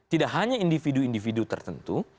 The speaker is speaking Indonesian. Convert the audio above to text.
tidak hanya individu individu tertentu